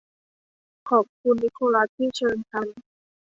ขอบคุณนิโคลัสที่เชิญฉัน